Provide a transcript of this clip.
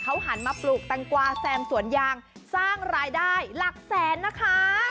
เขาหันมาปลูกแตงกวาแซมสวนยางสร้างรายได้หลักแสนนะคะ